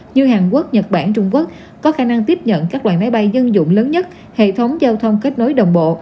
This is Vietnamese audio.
như hàn quốc nhật bản trung quốc có khả năng tiếp nhận các loại máy bay dân dụng lớn nhất hệ thống giao thông kết nối đồng bộ